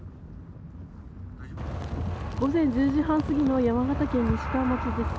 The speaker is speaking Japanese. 午前１０時半過ぎの山形県西川町です。